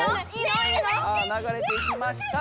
・ながれていきました。